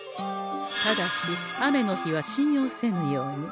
ただし雨の日は信用せぬように。